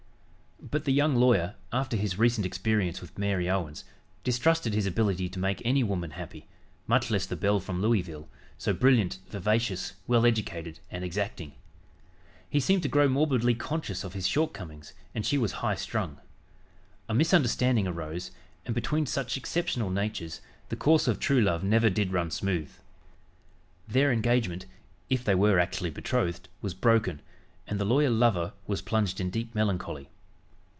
But the young lawyer, after his recent experience with Mary Owens, distrusted his ability to make any woman happy much less the belle from Louisville, so brilliant, vivacious, well educated and exacting. He seemed to grow morbidly conscious of his shortcomings, and she was high strung. A misunderstanding arose, and, between such exceptional natures, "the course of true love never did run smooth." Their engagement, if they were actually betrothed, was broken, and the lawyer lover was plunged in deep melancholy.